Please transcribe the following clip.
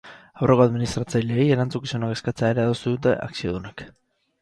Aurreko administratzaileei erantzunkizunak eskatzea ere adostu dute akziodunek.